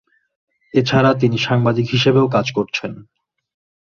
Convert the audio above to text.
এছাড়া তিনি সাংবাদিক হিসেবেও কাজ করছেন।